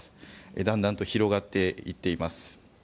だんだんと広がっていっています。